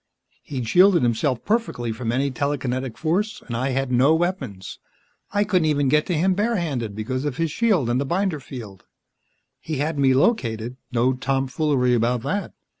He'd shielded himself perfectly from any telekinetic force and I had no weapons. I couldn't even get to him barehanded because of his shield and the binder field. He had me located no tomfoolery about that.